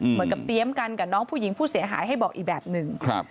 เหมือนกับเตรียมกันกับน้องผู้หญิงผู้เสียหายให้บอกอีกแบบหนึ่ง